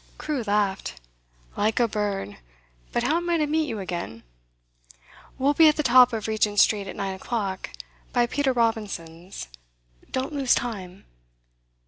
Crewe laughed. 'Like a bird! But how am I to meet you again?' 'We'll be at the top of Regent Street at nine o'clock, by Peter Robinson's. Don't lose time.